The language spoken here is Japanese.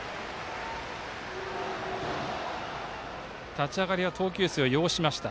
立ち上がりは投球数を要しました。